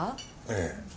ええ。